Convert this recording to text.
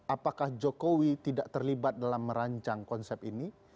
apakah jokowi tidak terlibat dalam merancang konsep ini